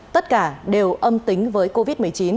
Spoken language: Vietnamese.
tất cả đều âm tính với covid một mươi chín